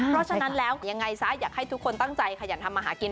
เพราะฉะนั้นแล้วยังไงซะอยากให้ทุกคนตั้งใจขยันทำมาหากิน